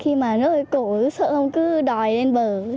khi mà nơi cổ sợ ông cứ đòi lên bờ